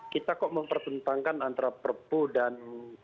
kita kok mempertentangkan antara perpu dan